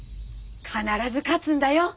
必ず勝つんだよ。